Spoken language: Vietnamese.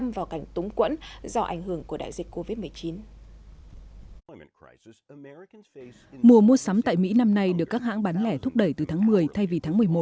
mùa mua sắm tại mỹ năm nay được các hãng bán lẻ thúc đẩy từ tháng một mươi thay vì tháng một mươi một